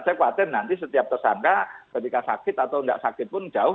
saya khawatir nanti setiap tersangka ketika sakit atau tidak sakit pun jauh